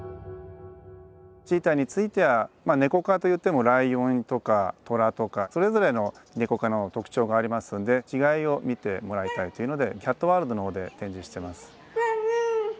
チーターについてはまあネコ科といってもライオンとかトラとかそれぞれのネコ科の特徴がありますので違いを見てもらいたいというのでキャットワールドのほうで展示してます。